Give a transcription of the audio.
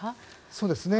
そうですね。